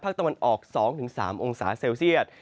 ตะวันออก๒๓องศาเซลเซียต